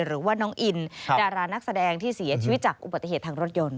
หรือว่าน้องอินดารานักแสดงที่เสียชีวิตจากอุบัติเหตุทางรถยนต์